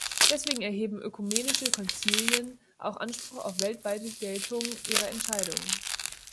Deswegen erheben ökumenische Konzilien auch Anspruch auf weltweite Geltung ihrer Entscheidungen.